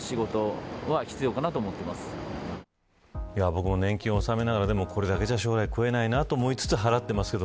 僕も年金納めながらこれだけでは将来食えないなと思いつつ、払っています。